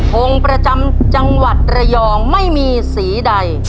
งงประจำจังหวัดระยองไม่มีสีใด